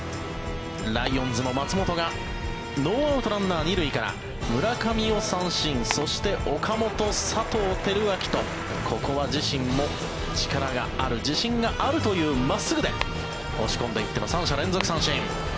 ライオンズの松本がノーアウト、ランナー２塁から村上を三振そして岡本、佐藤輝明とここは自身も力がある自信があるという真っすぐで押し込んでいっての３者連続三振。